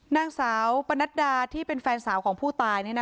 นางสาวปรนดรท่านแฟนสาวของผู้ตาย